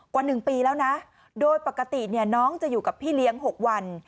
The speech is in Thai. กว่า๑ปีแล้วนะโดยปกติน้องจะอยู่กับพี่เลี้ยง๖วัน